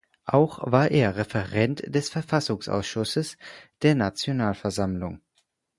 Auch war er Referent des Verfassungsausschusses der Nationalversammlung.